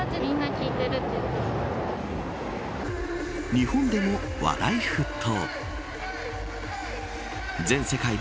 日本でも話題沸騰。